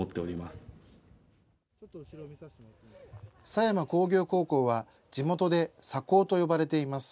狭山工業高校は、地元で狭工と呼ばれています。